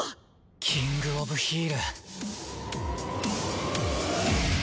キング・オブ・ヒール！